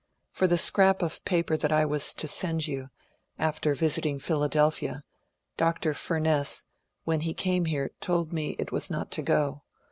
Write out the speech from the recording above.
For the scrap of paper that I was to send yon, after visiting Philadelphia, — Dr. Fnmess, when he came here, told me it was not to go.